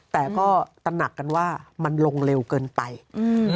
แต่ก็ตระหนักกันว่ามันลงเร็วเกินไปอืม